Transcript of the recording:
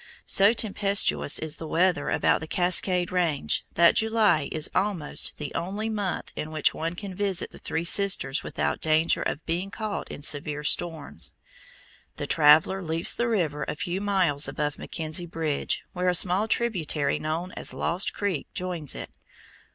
So tempestuous is the weather about the Cascade range that July is almost the only month in which one can visit the Three Sisters without danger of being caught in severe storms. The traveller leaves the river a few miles above McKenzie Bridge, where a small tributary known as Lost Creek joins it.